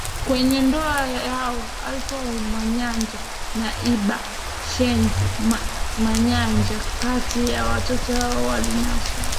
kwenye ndoa yao Alfa Mayanja na Alba Shyne Mayanja Kati ya watoto hao walinaswa